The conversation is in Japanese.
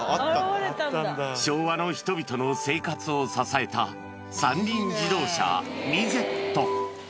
昭和の人々の生活を支えた三輪自動車、ミゼット。